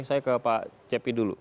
saya ke pak cepi dulu